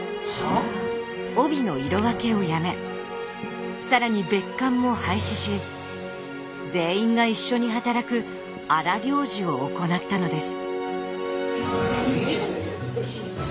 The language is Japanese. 帯の色分けをやめ更に別館も廃止し全員が一緒に働く荒療治を行ったのです。